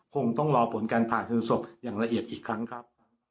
คงต้องรอผลการผ่าคือศพอย่างละเอียดอีกครั้งครับ